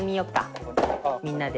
みんなでね。